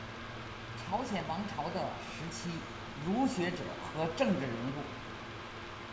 朝鲜王朝的时期儒学者和政治人物。